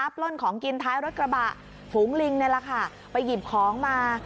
ปล้นของกินท้ายรถกระบะฝูงลิงนี่แหละค่ะไปหยิบของมา